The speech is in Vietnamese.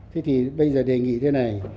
thế thì bây giờ đề nghị thế này